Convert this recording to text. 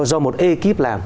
do một ekip làm